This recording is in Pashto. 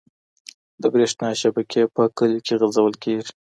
د بريښنا شبکي په کليو کي غځول کيږي.